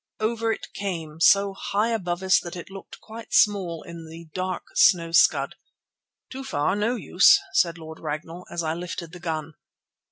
Over it came, so high above us that it looked quite small in the dark snow scud. "Too far—no use!" said Lord Ragnall, as I lifted the gun.